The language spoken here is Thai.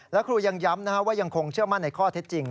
และครูยังย้ำว่ายังคงเชื่อมั่นในข้อเท็จจริง